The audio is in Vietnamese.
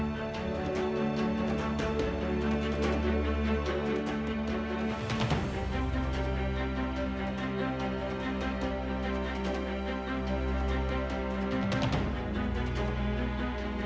cũng phải nói rằng